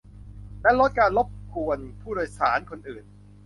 และลดการรบกวนผู้โดยสารคนอื่น